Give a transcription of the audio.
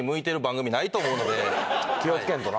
気をつけんとな。